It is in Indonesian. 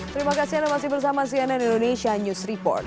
terima kasih anda masih bersama cnn indonesia news report